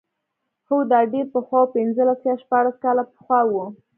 هو دا ډېر پخوا و پنځلس یا شپاړس کاله پخوا و.